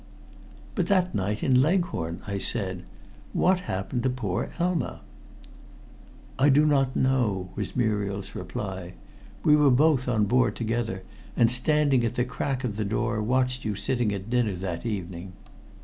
"But that night in Leghorn?" I said. "What happened to poor Elma?" "I do not know," was Muriel's reply. "We were both on board together, and standing at the crack of the door watched you sitting at dinner that evening.